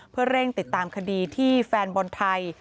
เพื่อเร่งติดตามคดีที่แฟนบอลไทย